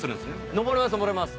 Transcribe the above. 登れます登れます